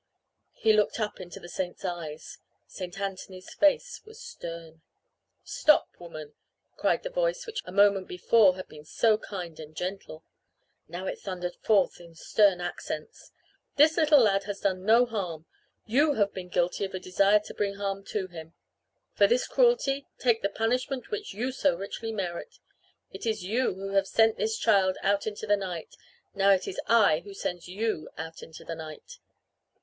He looked up into the saint's eyes. St. Anthony's face was stern. "Stop, woman!" cried the voice which a moment before had been so kind and gentle. Now it thundered forth in stern accents. "This little lad has done no harm. You have been guilty of a desire to bring harm to him, For this cruelty take the punishment which you so richly merit. It is you who have sent this child out into the night. Now it is I who sends you out into the night."